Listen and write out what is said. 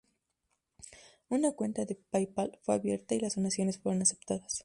Una cuenta de paypal fue abierta, y las donaciones fueron aceptadas.